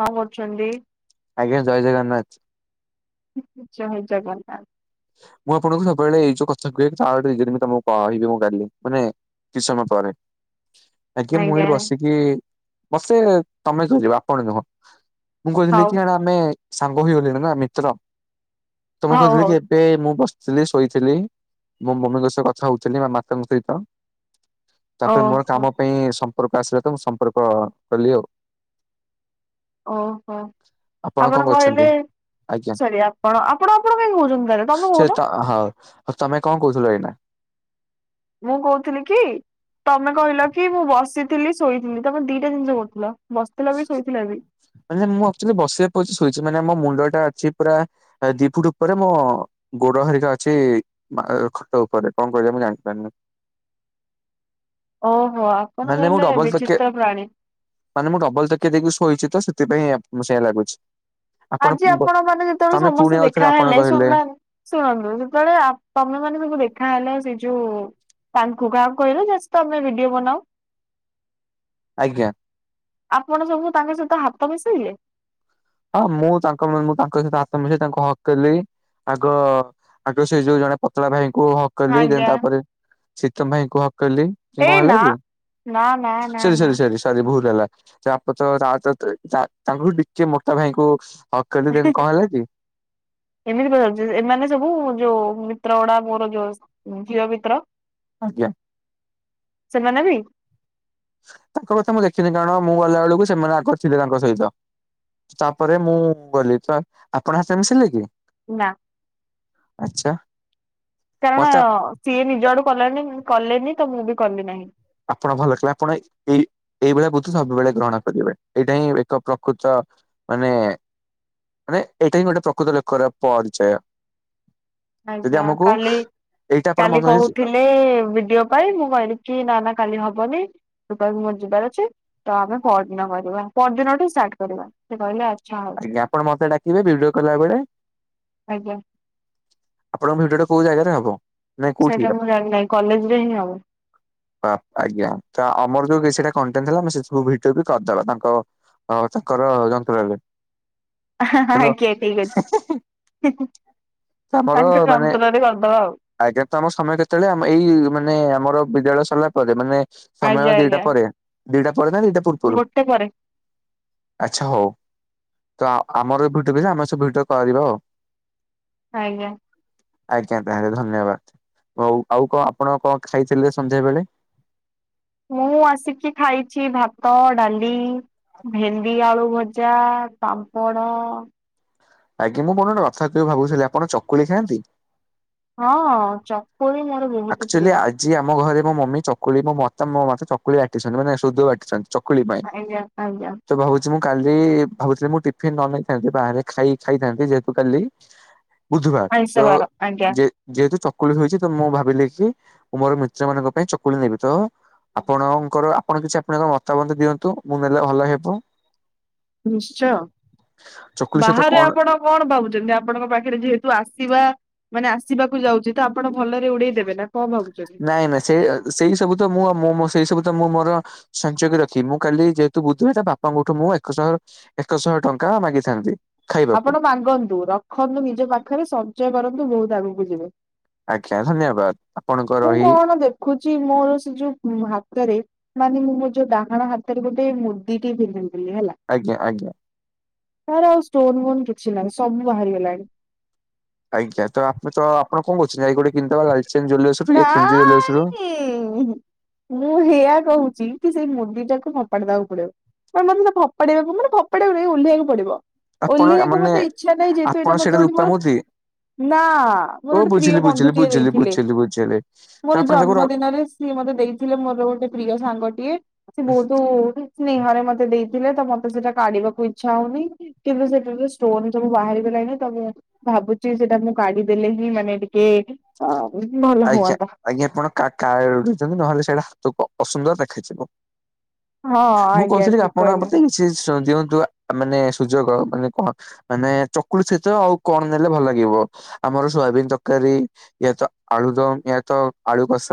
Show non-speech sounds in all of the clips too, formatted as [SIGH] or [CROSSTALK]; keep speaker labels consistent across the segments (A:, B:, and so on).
A: ହଁ କରୁଚନ୍ତି?
B: ଆଜ୍ଞା ଜୟ ଜଗନ୍ନାଥ।
A: ଜୟ ଜଗନ୍ନାଥ।
B: ମୁଁ ଆପଣଙ୍କୁ ସବୁବେଳେ ଏଇ ଯୋଉ କଥା କୁହେି ତାର ରିଜନ ବି ତମକୁ କହିବି ମୁଁ କାଲି ମାନେ କିଛି ସମୟ ପରେ ଆଜ୍ଞା। ମୁ ଏଠି ବସିକି ବସେ ତମେ ଯିବ ଆପଣ ନୁହଁ। ମୁଁ କହୁଥିଲି
A: ହଉ
B: କିଣେ ଆମେ ସାଙ୍ଗ ହେଇଗଲେଣି ନା ମିତ୍ର ତମକୁ
A: ହଉ
B: କହିଥିଲି
A: ହଉ
B: କି ମୁଁ ବସିଥିଲି, ଶୋଇଥିଲି ମୋ ମମିଙ୍କ ସହ କଥା ହଉଥିଲି। ମୋ ମାତାଙ୍କ ସହିତ। ତାପରେ ମୋର
A: ଓହୋ
B: କାମ ପାଇଁ ଉପରକୁ ଆସିଲା ତ ମୁଁ ସମ୍ପର୍କ କଲିି ଆଉ।
A: ଓହୋ
B: କଣ
A: ଆପଣ
B: କରୁଛନ୍ତି?
A: କହିଲେ
B: ଆଜ୍ଞା
A: ସରି ଆପଣ ଆପଣ ଆପଣ କାଇଁ କହୁ
B: ସେ ହଁଉ ତମେ କଣ କହୁଥିଲ ଏଇନା?
A: ମୁଁ କହୁଥିଲି କି ତମେ କହିଲ କି ମୁଁ ବସିଥିଲି ଶୋଇଥିଲି ତମେ ଦିଟା ଜିନିଷ କରୁଥିଲ? ବସିଥିଲ ବି ଶୋଇଥିଲ ବି।
B: ମାନେ ମୁଁ ଆକ୍ଚୁଆଲି ବସିବା ପୋଜ୍ ରେ ଶୋଇଚି ମାନେ ଆମ ମୁଣ୍ଡ ଟା ଅଛି ପୁରା ଦି ଫୁଟ ଉପରେ ମୋ ଗୋଡ ହରିକା ଅଛି ଖଟ ଉପରେ। କଣ କହିଲ ମୁଁ ଜାଣିପାରୁନି।
A: ଓହୋ ଆପଣ
B: ମାନେ ମୁଁ
A: ଗଲେ
B: ଡବଲ
A: ବିଚିତ୍ର ପ୍ରାଣୀ।
B: କିଆ କେତକି ଶୋଇଛି ତ। ସେଥିପାଇଁ ଆପଙ୍କୁ ସେୟା ଲାଗୁଚି।
A: ଆଜି ଆପଣ ମାନେ ଯେତେବେଳେ
B: ପୁଣି
A: ସମସ୍ତେ
B: ଆଉଥରେ ଆପଣ
A: ଦେଖାହେଲେ ଶୁଣୁ
B: କହିଲେ
A: ନା ଶୁଣନ୍ତୁ ସେତେବେଳେ ଆପଣ ମାନେ ତାୁ ଦେଖାହେଲା ସେଇଠ ଯଉ ତାଙ୍କୁ କାହାକୁ କହିଲ ଯା ସହିତ ଆମେ ଭିଡିଓ ବନାଉ।
B: ଆଜ୍ଞା।
A: ଆପଣ ସବୁ ତାଙ୍କ ସହିତ ହାତ ମିଶେଇଲେ?
B: ହଁ ମୁଁ ତାଙ୍କ ମୁଁ ତାଙ୍କ ସହିତ ଆତ୍ ମିଶ ତାଙ୍କ ହଗ୍ କଲି ଆଗ ଆଗ ସେ ଯୋଉ ଜଣେ ପତଳା ଭାଇ କୁ ହଗ୍
A: ଆଜ୍ଞା।
B: ତାପରେ ଶୀତମ୍ ଭାଇଙ୍କୁ ହ ଗ୍ କଲି। କି କଣ
A: ଏଇ
B: ହେଲା
A: ନା
B: କି?
A: ନା ନା ନା
B: ସରି
A: ନା।
B: ସରି ସରି ଭୁଲ ଲ ହେଇଗଲା। [UNINTELLIGIBLE] ତ ଭାଇଙ୍କୁ
A: ଏମିତି ପଚାରୁଚି। ଏମାନେ ସବୁ ଯୋଉ ମିତ୍ର ଗୁଡାକ ମୋର ଯୋଉ ଝିଅ ମିତ୍ର
B: ଆଜ୍ଞା
A: ସେମାନେ ବି?
B: ତାଙ୍କ କଥା ମୁଁ ଦେଖିନି କାରଣ ମୁଁ ଗଲା ବେଳକୁ ସେମାନେ ଆଗରେ ଥିଲେ ତାଙ୍କ ସହିତ ତାପରେ ମୁଁ ଗଲି ତ ଆପଣ ହାତରେ ମିଶେଇଲେ କି?
A: ନା
B: ଆଚ୍ଛା।
A: କାରଣ
B: ମତେ
A: ସିଏ ନିଜ ଆଡୁ କଲାନି କଲେନି ତ ମୁଁ ବି କଲିି ନାହିଁ।
B: ଆପଣ ଭଲ କଲେ ଆପଣ ଏଇ ଏଇଭଳିଆ ବୁଦ୍ଧି ସବୁବେଳେ ଗ୍ରହଣ କରିବେ। ଏଇଟା ହିଁ ଏକ ପ୍ରକୃତ ମାନେ ମାନେ ଏଇଟା ହିଁ ଗୋଟେ ପ୍ରକୃତ ଲୋକର ପରିଚୟ। ଯଦି
A: ଆଜ୍ଞା
B: ଆମକୁ
A: କାଲି
B: ଏଇଟା ଆପଣ
A: କାଲି
B: ମନେ ଆଜ୍ଞା
A: କହୁଥିଲେ ବିଡିଓ ପାଇଁ ମୁଁ କହିଲି କିି ନା ନା କାଲି ହବନି [UNINTELLIGIBLE] ମୋର ଯିବାର ଅଛି ତ ଆମେ ପଅରଦିନ କରିବା ପଅରଦିନଠୁ ଷ୍ଟାର୍ଟ କରିବା ସେ କହିଲେ ଆଚ୍ଛା ହଉ
B: ଆଜ୍ଞା ଆପଣ ମତେ ଡାକିବେ ଭିଡିଓ କଲା ବେଳେ।
A: ଆଜ୍ଞା।
B: ଆପଣଙ୍କ ଭିଡିଓ ଟା କୋଉ ଜାଗାରେ ହବ? ନାଇଁ
A: ସେଇଟା
B: କୋଉଠି ହେ?
A: ମୁଁ ଜାଣିନାହିଁ କଲେଜରେ ହିଁ ହବ
B: ଅ ଆଜ୍ଞା ତ ଆମର ଯୋଉ କି ସେଟା କଣ୍ଟେଣ୍ଟ ଥିଲା ଆମେ ସେ ସବୁ ଭିଡିଓ ବି କରିଦେବା ତାଙ୍କ ଅ ତାଙ୍କର ଯନ୍ତ୍ରରେ ତାଙ୍କ
A: ଆଜ୍ଞା ଠିକ ଅଛି। ହିଁ ହିଁ
B: ଆମର ମାନେ
A: ଆଉ
B: ଆଜ୍ଞା ତ ଆମ ସମୟ କେତେବେଳେ ଆମ ଏଇ ମାନେ ଆମର ବିଦ୍ୟାଳୟ ସରିଲା ପରେ ମାନେ ସ ସମୟ
A: ଆଜ୍ଞା
B: ଦିଟା
A: ଆଜ୍ଞା
B: ପରେ ଦିଟା ପରେ ନା ଦିଇଟା ପୂର୍ବରୁ,
A: ଗୋଟେ ପରେ
B: ଆଛା ହଉ। ତ ଆ ଆମର ଭିଡି [UNINTELLIGIBLE] ଆମେ ସେ ଭିଡିଓ କରିବ ଆଉ
A: ଆଜ୍ଞା।
B: ଆଜ୍ଞା [UNINTELLIGIBLE] ଧନ୍ୟବାଦ। ହଉ ଆଉ କଣ ଆପଣ କଣ ଖାଇଥିଲେ ସଂନ୍ଧ୍ୟା ବେଳେ?
A: ମୁଁ ଆସିକି ଖାଇଛି ଭାତ, ଡାଲି। ଭେଣ୍ଡି, ଆଳୁ ଭ ଜା ପାମ୍ପଡ଼।
B: ଆଜ୍ଞା ମୁଁ ପୁଣି ଗୋଟେ କଥା କହିବି ଭାବୁଥିଲି ଆପଣ ଚକୁଳି ଖାଆନ୍ତି?
A: ହଁ ଚ କୁଳି ମୋର ବହୁତ
B: ଆକ୍ଚୁଆଲି
A: ପ୍ରିୟ।
B: ଆଜି ଆମ ଘରେ ମୋ ମମି ଚକୁଳି ମୋ ମ ମୋ ମତେ ଚକୁଳି ବାଟିଛନ୍ତି ମାନେ ସୁଧ ବାଟିଛନ୍ତି। ଚକୁଳି ପାଇଁ
A: ଆଜ୍ଞା ଆଜ୍ଞା
B: ତ ଭାବୁଛି ମୁଁ କାଲି ଭାବୁଥିଲି ମୁଁ ଟିଫିନ ନ ନେଇଥାନ୍ତି ବାହାରେ ଖାଇ ଖାଇଥାନ୍ତି ଯେହେତୁ କାଲି ବୁଧବାର
A: ଆଇଁଷ
B: ତ
A: ବାର ଆଜ୍ଞା
B: ଯେ ଯେହେତୁ ଚ କୁଳି ହୋଇଛି ତ ମୁଁ ଭା ବିଲି କି ମୁଁ ମୋର ମିତ୍ର ମାନଙ୍କ ପାଇଁ ଚକୁଳି ନେବି ତ ଆପଣଙ୍କର ଆପଣ କିଛି ଆପଣଙ୍କ ମତାମତ ଦିଅନ୍ତୁ ମୁଁ ନେଲେ ଭଲ ହେବ?
A: ନିଶ୍ଚୟ
B: ଚକୁଲି ସହିତ
A: ବାହାରେ
B: କଣ
A: ଆପଣ କଣ ଭାବୁଛନ୍ତି ଆପଣଙ୍କ ପାଖରେ ଯେହେତୁ ଆସିବା ମାନେ ଆସିବାକୁ ଯାଉଛି ତ ଆପଣ ଭଲରେ ଉଡେଇ ଦେବେ ନା କଣ ଭାବୁଛନ୍ତି?
B: ନାଇଁ ନାଇଁ ସେଇ ଅ ସେଇ ସବୁ ତ ମୁଁ ଆଉ ମୋ ମ ସେଇ ସବୁ ତ ମୁଁ ମ ଅ ସଞ୍ଚୟ କରି ରଖି ମୁଁ କାଲି ଯେହେତୁ ବୁଝିବି ତା ବାପାଙ୍କଠୁ ମୁଁ ଏକ ଶହ ଏକ ଶହ ଟଙ୍କା ମାଗିଥାନ୍ତି। ଖାଇବାକୁ
A: ଆପଣ ମାଗନ୍ତୁ, ରଖନ୍ତୁ ନିଜ ପାଖରେ ସଞ୍ଚୟ କରନ୍ତୁ ବହୁତ ଆଗକୁ ଯିବେ।
B: ଆଜ୍ଞା ଧନ୍ୟବାଦ ଆପଣଙ୍କର
A: ମୁଁ
B: ଏହି
A: କଣ ଦେଖୁଛି ମୋର ସେ ଯୋଉ ହାତରେ ମାନେ ମୁଁ। ଯୋଉ ଡାହାଣ ହାତରେ ଗୋଟେ ମୁଦି ଟିି
B: ଆଜ୍ଞା ଆଜ୍ଞା।
A: ତାର ଆଉ ଷ୍ଟୋନ ବୋନ କିଛି ନାହିଁ ସବୁ ବାହାରିଗଲାଣି।
B: ଆଜ୍ଞା ତ ଆପେ ତ ଆପଣ କଣ କରହୁଛନ୍ତି ଯାଇ ଗୋଟେ କିନ୍ ଚାଲିଛି।
A: ନାଇ ମୁଁ ହେୟା କହୁଛି। କି ସେଇ ମୁଡି ଟାକୁ ଫପା ଦବାକୁ ପଡିବ ମାନେ ମାନେ ଫପାଡବାକୁ ମାନେ ଫପାକୁ ଓଲ୍ହେଇବାକୁ ପଡିବ।
B: ଆପଣ
A: ଓଲିକୁ
B: ମାନେ
A: ମତେ ଇଚ୍ଛା ନାହିଁ ଯେହେତୁ
B: ଆପଣ
A: ଏଇଟା ମତେ
B: ସେଇଟା
A: ଗୋଟେ
B: ରୂପା
A: ମୋର
B: ମୁଦି
A: ନା ମୋର
B: ଓ
A: ଗୋଟେ ପ୍ରିୟ
B: ବୁଝିଲି ବୁଝିଲି
A: ବନ୍ଧୁଟିଏ
B: ବୁଝିଲି
A: ଦେଇଥିଲେ।
B: ବୁଝିଲି ବୁଝିଲି। ତ
A: ମୋର
B: ଆପଣ ତାକୁ ର
A: ଜନ୍ମ ଦିନରେ ସିଏ ମତେ ଦେଇଥିଲେ ମୋର ଗୋଟେ ପ୍ରିୟ ସାଙ୍ଗଟିଏ ସିଏ ବହୁତ ସ୍ନେହରେ ମତେ ଦେଇ। ତ ମତେ ସେଟା କାଢିବାକୁ ଇଚଛା ହଉନି କିନ୍ତୁ ସେଠ ଷ୍ଟୋନ ସବୁ ବାହାରିଲାଣି ତ ମୁଁ ଭାବୁଛି ସେଟା ମୁଁ କାଢିଦେଲେ ହିଁ ମାନେ ଟିକେ ଭଲ
B: ଆଜ୍ଞା
A: ହୁଅନ୍ତା
B: ଆଜ୍ଞା ଆପଣା କା ଉଠୁଛନ୍ତି ନହେଲେ ସେଇଟା ହାତକୁ ଅସୁନ୍ଦର ଦେଖାଯିବ।
A: ହଁ
B: ମୁଁ
A: ଆଜ୍ଞା
B: କହୁଥିଲି
A: ଠିକ
B: ଆପଣ
A: କହିଲେ।
B: ମତେ କି ସେ ଦିଅନ୍ତୁ ମାନେ ସୁଯୋଗ ମାନେ କଣ ମାନେ ଚକୁଲେ ସହିତ ଆଉ କଣ ନେଲେ ଭଲ ଲାଗିବ ଆମର ସୋୟାବିନ ତରକାରୀ ଇଏ ତ ଆଳୁଦମ ଏହା ତ ଆଳୁ କସ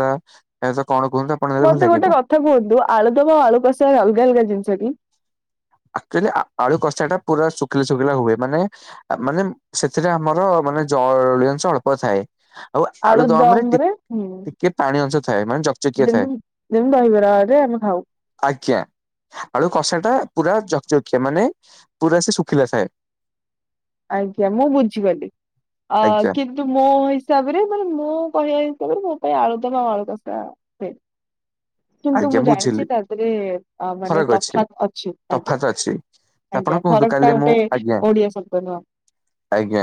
B: ଏହା କଣ କୁହନ୍ତୁ ଆପଣ ନେଲେ ଭଲ
A: ମତେ
B: ଲାଗିବ?
A: ଗୋଟେ କଥା କୁହନ୍ତୁ ଆଳୁଦବା ଆଉ ଆଳୁ କଷିବାର ଅଲଗା ଅଲଗା ଜିନିଷ। ଯଠି
B: ଆଚୁଆଲି ଆଳୁ କଷା ଟା ପୁରା ଶୁଖିଲା ଶୁଖିଲା ହୁଏ ମାନେ ମାନେ ସେ ସେଟା ଆମର ମାନେ ଜଳ ଜଶ ଅଳ୍ପ ଥାଏ। ଆଉ ଆଳୁ ଦମ ରେ ଟିକେ ପାଣି ଅଂଶ ଥାଏ ମାନେ ଜଚକିଆ ଥାଏ
A: ଯେମିତି ଯେମିତି ଦହିବରାରେ ଆମେ ଖାଉ
B: ଆଜ୍ଞା ଆଳୁ କଷା ଟା ପୁରା ଯକକିଆ ମାନେ ପୁରା ସେ ଶୁଖିଲା ଥାଏ।
A: ଆଜ୍ଞା ମୁଁ ବୁଝିଗଲି ଅ
B: ଆଜ୍ଞା
A: କିନ୍ତୁ ମୋ ହିସାବରେ ମାନେ ମୁଁ କହିବା। ତମର ବହୁତ ଆଳୁ ଦମ ଆଳୁ କଷା ହୁଏ। କିନ୍ତୁ
B: ଆଜ୍ଞା
A: ମୁଁ ଜାଣିଛି
B: ବୁଝିଲି
A: ତା ଦେହରେ ମାନେ ତଫାତ୍ ଅଛି ଆଜ୍ଞା
B: ତଫାତ ଅଛି। ତ ଆପଣ
A: ଆଜ୍ଞା
B: କୁହନ୍ତୁ
A: ଫରକ ଟା
B: କାଲି ମୁଁ
A: ଗୋଟେ
B: ଆଜ୍ଞା
A: ଓଡିଆ ଶବ୍ଦ ନୁହଁ।
B: ଆଜ୍ଞା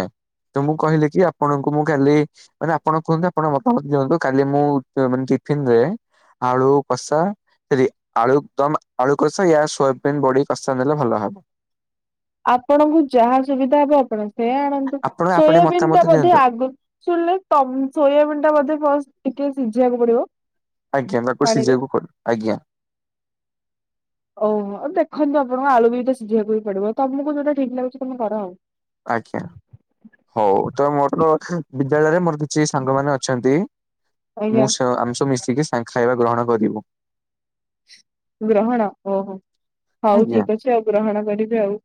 B: ତ ମୁଁ କହିଲି କି ଆପଣଙ୍କୁ ମୁଁ କାଲି ମାନେ ଆପଣ କୁହନ୍ତୁ ଆପଣ ମତାମତ ଦିଅନ୍ତୁ କାଲି ମୁଁ ଅ ଟିଫିନରେ ଆଳୁ। କଷା ସରି ଆଳୁ ଦମ ଆଳୁ କଷା ୟା ସୋୟାବିନ୍ ବଢି କଷା ନେଲେ ଭଲ ହବ।
A: ଆପଣଙ୍କୁ ଯାହା ସୁବିଧା ହବ ଆପଣ। ସେୟା ଆଣନ୍ତୁ
B: ଆପଣ ଆପଣ
A: ସୋୟାବିନ୍
B: ମତାମତ
A: ଟା ବୋଧେ
B: ଦିଅନ୍ତୁ
A: ଆଗ ଶୁଣିଲେ ତ ସୋୟାବିନ୍ ଟା ବୋଧେ। ବାସ ଟିକେ ସିଝିବାକୁ ପଡିବ।
B: ଆଜ୍ଞା ମେରେକୋ
A: ପାଣିରେ।
B: ସିଝେଇବାକୁ ପଡ଼ ଆଜ୍ଞା।
A: ଓହୋ ଆଉ ଦେଖନ୍ତୁ ଆପଣଙ୍କ ଆଳୁ ବି ତ ସିଝିବାକୁ ବି ପଡିବ ତମକୁ ଯୋଉଟା ଠିକ ଲାଗୁଛି ତମେ କର ଆଉ।
B: ଆଜ୍ଞା ହଉ ତ ମୋର ବିଦ୍ୟାଳୟରେ ମୋର କିଛି ସାଙ୍ଗ ମାନେ ଅଛନ୍ତି।
A: ଆଜ୍ଞା
B: ମୁଁ ସେ ଆମ ସବୁ ମିଶ ଟିକେ ସାଙ୍ଗ ଖାଇବା ଗ୍ରହଣ କରିବୁ।
A: ଗ୍ରହଣ ଓହୋ। ହଉ
B: ଆଜ୍ଞା
A: ଠିକ ଅଛି ଆଉ ଗ୍ରହଣ କରିବି ଆଉ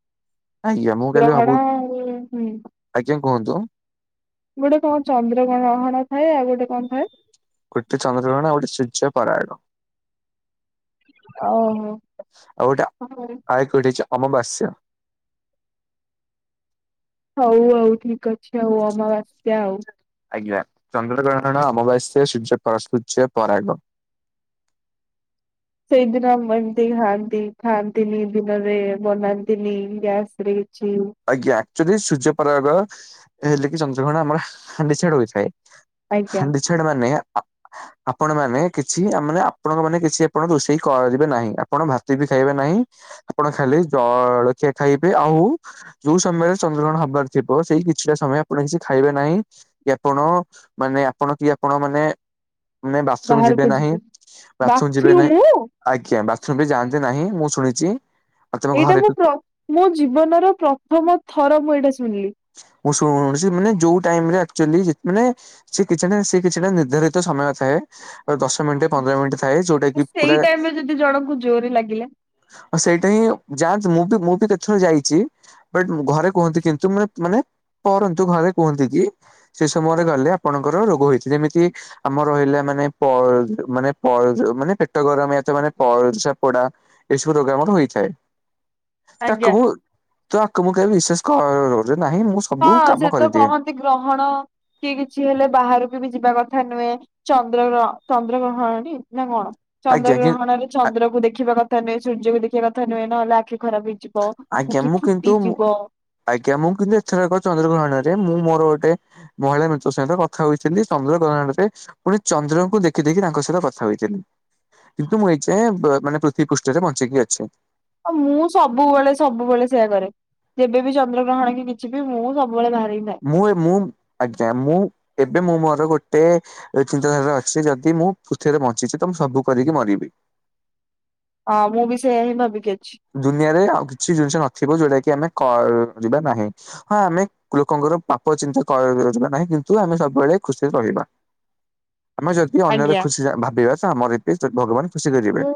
B: ଆଜ୍ଞା ମୁଁ କାଲି ଭାବୁ
A: ଗ୍ରହଣ ହଁ ହୁଁ
B: ଆଜ୍ଞା କୁହନ୍ତୁ
A: ଗୋଟେ କଣ ଚନ୍ଦ୍ରଗଣ। ଆଉ ଥାଏ ଗୋଟେ କଣ ଥାଏ?
B: ଗୋଟେ ଚନ୍ଦ୍ରଗ୍ରହଣ ଆଉ ଗୋଟେ ସୂର୍ଯ୍ୟପରାଗ।
A: ଓହୋ
B: ଆଉ ଗୋଟେ ଆଈ କୁଢିଚା। ଅମାବାସ୍ୟା।
A: ହଉ ଆଉ ଠିକ ଅ ଛି ଆଉ ଅମାବାସ୍ୟା ଆଉ।
B: ଆଜ୍ଞା ଚନ୍ଦ୍ରଗ୍ରହଣ ଅମବାସ୍ୟା ସୂର୍ଯ୍ୟପ ସୁର୍ଯ୍ୟପରାଗ।
A: ସେଇଦିନ ଏମ୍ ଏମିତି ଖାଆନ୍ତି ଖାଆନ୍ତିନି ଦିନରେ ବନାନ୍ତିନି ଗ୍ୟାସ ରେ। କିଛି
B: ଆଜ୍ଞା ଆକ୍ଚୁଆଲି ସୂର୍ଯ୍ୟପରାଗ। ହେଲେ କି ଚନ୍ଦ୍ରଗ୍ରହଣ ଆମର ନିଶେଡ ହୋଇଥାଏ।
A: ଆଜ୍ଞା
B: ହାଣ୍ଡିଛାଡ ମାନେ? ଆ ଆପଣ ମାନେ କିଛି ମାନେ ଆପଣଙ୍କ ମାନେ କିଛି ଏପନ୍ତ ରୋଷେଇ କରିବେ ନାହିଁ ଆପଣ ଭାତ ବି ଖାଇବେ ନାହିଁ ଆପଣ ଖାଲି ଜଳଖିଆ ଖାଇବେ ଆଉ। ଯୋଉ ସମୟରେ ଚନ୍ଦ୍ରଗ୍ରହଣ ହବାର ଥିବ ସେଇ କିଛିଟା ସମୟ ଆପଣ କିଛି ଖାଇବେ ନାହିଁ କି ଆପଣ ମାନେ ଆପଣ କି ଆପଣ ମାନେ ବାଥରୁମ ଯିବେ
A: ବାହାରକୁ
B: ନାହିଁ
A: ଯିବୁ
B: ବାଥରୁମ ଯିବେ ନାହିଁ ଆଜ୍ଞା ବା ବି ଯାଆନ୍ତି ନାହିଁ ମୁଁ ଶୁଣିଛି। ଆଉ ତମ
A: ଏଇଟା
B: ଘରେ
A: ମୁଁ
B: ବି
A: ପ୍ର ମୋ ଜୀବନର। ପ୍ରଥମ ଥର ମୁଁ ଏଇଟା। ଶୁଣିଲି।
B: ମୁଁ ଶୁଣିଛି ମାନେ ଯୋଉ ଟାଇମରେ ଆକ୍ଚୁଲି ମାନେ ସେ କିଛିଟା ସେ କିଛିଟା ନିର୍ଧାରିତ ସମୟ ଥାଏ। ଦଶ ମିନିଟ ପନ୍ଦର ମିନିଟ ଥାଏ ଯୋଉଟା କି ପୁରା
A: ସେଇ ଟାଇମରେ ଯଦି ଜଣଙ୍କୁ ଜୋରରେ ଲାଗିଲା
B: ହଁ ସେଇଟା ହିଁ ଯା ମୁଁ ବି ମୁଁ ବି କେତେଯର ଯାଇଛି ବଟ। ଘରେ କୁହନ୍ତି କିନ୍ତୁ ମା ମାନେ ପରନ୍ତୁ ଘରେ କୁହନ୍ତି କି ସେ ସମୟରେ ଗଲେ ଆପଣଙ୍କର ରୋଗ ହେଉଛି ଯେମିତି ଆମର ରହିଲା ମାନେ ପା ପା ମାନେ ମାନେ ପେଟ ଗରମ ପରିସ୍ରା ପୋଡ଼ ଏପରି ରୋଗ ସବୁ ହେଇଥାଏ।
A: ଆଜ୍ଞା
B: ତାକବୁ। ତୁ ଆକୁ ମୁଁ କେବେ ବିଶେଷ କରନୁ
A: ହଁ ସେ ତ କହନ୍ତି ଗ୍ରହଣ କି କିଛି ହେଲେ ବାହାରକୁ ବି ଯିବା କଥା। ନେ ଚନ୍ଦ୍ରଗ୍ର ଚନ୍ଦ୍ରଗ୍ରହଣ ଟି ନା କଣ। ଚନ୍ଦ୍ର
B: ଆଜ୍ଞା
A: ଗ୍ରହଣରେ
B: କି
A: ଚନ୍ଦ୍ର କୁ ଦେଖିବା କଥା ନୁହେଁ ସୂର୍ଯ୍ୟକୁ ଦେଖି ଟିକେ କଥା ନୁହେଁ ନହେଲେ ଅଖି ଖରାପ ହେଇଯିବ
B: ଆଜ୍ଞା
A: କି
B: ମୁଁ
A: ଥୁଟି ଯିବ।
B: ଚନ୍ଦ୍ର ଗ୍ରହଣରେ ମୁଁ ମୋର ଗୋଟେ ମହିଳା ମିତ୍ର ସହିତ କଥା ହୋଇଥିଲି ଚନ୍ଦ୍ର ଗ୍ରହଣରେ ପୁଣି ଚନ୍ଦ୍ରଙ୍କୁ ଦେଖି ଦେଖି ତାଙ୍କ ସହିତ କଥା ହୋଇଥିଲି କିନ୍ତୁ ମୁଁ ଏଇଯାଏଁ ମାନେ ପୃଥିବୀ ପୃଷ୍ଠରେ ବଞ୍ଚେଇକି ଅଛେ।
A: ଆ ମୁଁ ସବୁବେଳେ ସବୁବେଳେ ସେଇୟା କରେ ଯେବେବ ଚନ୍ଦ୍ର ଗ୍ରହଣ କି କିଛି ବି ମୁଁ ସବୁ
B: ମୁଁ ମୁଁ ଆଜ୍ଞା ମୁଁ ଏବେ ମୋ ର ଗୋଟେ ଚିନ୍ତାଧାରା ଅଛି ଯଦି ମୁଁ ପୃଥିବୀରେ ବଞ୍ଚିଛି ତ ମୁଁ ସବୁ କରିକି ମରିବି
A: ହଁ ମୁଁ ବି ସେଇୟା ହିଁ ଭାବିକି ଅଛି।
B: ଦୁନିଆରେ ଆଉ କିଛି ଜିନିଷ ନଥିବ ଯୋଉଟା କି ଆମେ କରିବା ନାହିଁ ହଁ ଆମେ ଲୋକଙ୍କର ପାପ ଚିନ୍ତା କରିବା ନାହିଁ କିନ୍ତୁ ଆମେ ସବୁବେଳେ ଖୁସିରେ ରହିବା। ଆମେ ଯଦି ଅନ୍ୟର
A: ଆଜ୍ଞା
B: ଖୁସି ଭାବିବା ତ ଆମର ଏ [INAUDIBLE] ଭଗବାନ ଖୁସି କରିବେ
A: ହୁଁ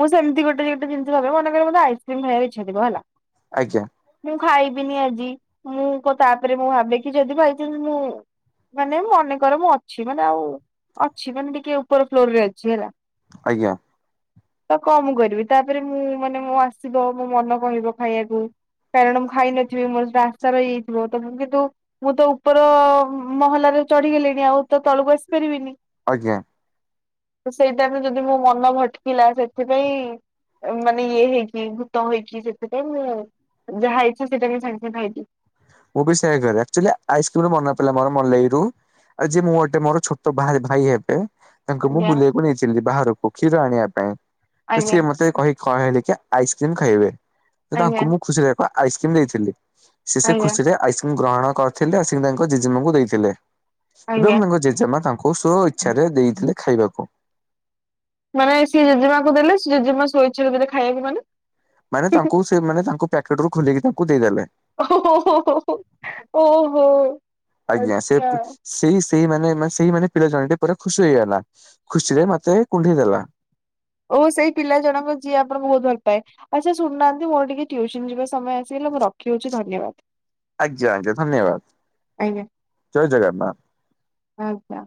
A: ମୁଁ ସେମିତି ଗୋଟେ ଗୋଟେ ଜିନିଷ ଭା ମନେକରେ ମତେ ଆଇ ସେ ଭାଇର ଇଚ୍ଛା ଥିବ ହେଲା
B: ଆଜ୍ଞା
A: ମୁଁ ଖାଇ ବିିନି ଆଜି ମୁଁ ତାପରେ ମୁଁ ଭା କିି ଯଦି ଭାଇଚନ୍ସ ମୁଁ ମାନେ ମୁଁ ମନେକର ମୁଁ ଅଛି ମାନେ ଆଉ ଅଛି ମାନେ ଟିକେ ଉପର ଫ୍ଲୋରରେ ଅଛି ହେଲା
B: ଆଜ୍ଞା।
A: ତ କ ମୁ କରିବି ତାପରେ ମୁଁ ମାନେ ମୋ ଆସିବ ମୋ ମନ କହିବ ଖାଇବାକୁ କାରଣ ମୁଁ ଖାଇନଥିବି ମୋର ସେଟା ଆଶା ରହିଯାଇଥିବ ତ ମୁଁ କିନ୍ତୁ ମୁଁ ତ ଉପର ମହଲାରେ ଚଢିଗଲିଣି ଆଉ ତ ତଳକୁ ଆସିପାରିବିନି
B: ଆଜ୍ଞା।
A: ତ ସେଇଟା ଯଦି ବି ମୁଁ ମ ଭଟକିଲା ସେଥିପାଇଁ ମାନେ ଇଏ ହେଇକି ଭୂତ ହେଇକି ସେଥିପାଇଁ ମ ଯାହା ଇଚ୍ଛା [INAUDIBLE] ହେଇଛି
B: ମୁଁ ବି ସେ କରେ ଅଛୁଆଲି ଆଇସ୍କ୍ରି ରୁ ମାନେ ପାଇଲା ମୋର ମଲେଇ ରୁ ଆଉ ଯ ମୁଁ ଗଟେ ମୋର ଛୋଟ ଭାଇ ହେବେ ତାଙ୍କୁ ମୁଁ
A: ଆଜ୍ଞା
B: ବୁଲିବାକୁ ନେଇଚି ଲି ବାହାରକୁ କ୍ଷୀର ଆଣିବା ପାଇଁ ତ
A: ଆଜ୍ଞା
B: ସିଏ ମତେ କହିି କଣ [INAUDIBLE] ଆଇସ୍କ୍ରିମ୍ ଖାଇବେ। ସେ ତାଙ୍କୁ
A: ଆଜ୍ଞା
B: ମୁଁ ଖୁସିରେ ବା ଆଇସ୍କ୍ରିମ ଦେଇଥିଲି
A: ଆଜ୍ଞା
B: ଖୁସିରେ ଆଇସକ୍ରିମ କଣ କରିଥିଲେ ସେ ତାଙ୍କ ଜେଜେମା ଙ୍କୁ ଦେଇଥିଲେ
A: ଆଜ୍ଞା।
B: ତାଙ୍କ ଜେଜେମା ତାଙ୍କୁ ସ ଇଚ୍ଛାରେ ଦେଇଥିଲେ ଖାଇବାକୁ
A: ମାନେ ସିଏ ଜେଜେମାକୁ ଦେଲେ ସେ ଜେଜେମା ସୋଇଛର ଦିନରେ ଖାଇବାକୁ ମାନେ
B: ମାନେ ତାଙ୍କୁ ସେ ମାନେ ତାଙ୍କୁ ପ୍ୟାକେଟ ରୁ ଖୋଲକି ତାଙ୍କୁ ଦେଇଦେଲେ
A: ଓହୋ ଓହୋ
B: ଆଜ୍ଞା ସେ
A: ଆଚ୍ଛା
B: ସେଇ [INAUDIBLE] ସେଇମାନେ ମାନେ ସେଇମାନେ ପିଲା ଜଣେ ପୁରା ଖୁସି ହେଇଗଲା ଖୁସିରେ ମତେ କୁଣ୍ଢେଇ ଦେଲା
A: ଓ ସେଇ ପିଲା ଜଣକ ଯିଏ ଆପଣଙ୍କୁ ବହୁତ ଭଲ ପାଏ ଆଚ୍ଛା ଶୁଣୁନାହାନ୍ତି ମୋର ଟିକେ ଟ୍ୟୁସନ ଯିବା ସମୟ ଆସିଗଲା ମୁଁ ରଖି ଦଉଛି ଧନ୍ୟବାଦ।
B: ଆଜ୍ଞା ଆଜ୍ଞା ଧନ୍ୟବାଦ
A: ଆଜ୍ଞା
B: ଜୟ ଜଗନ୍ନାଥ।
A: ଆଜ୍ଞା।